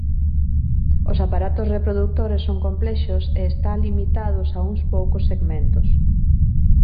Os aparatos reprodutores son complexos e está limitados a uns poucos segmentos.